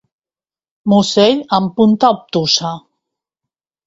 Musell amb punta obtusa.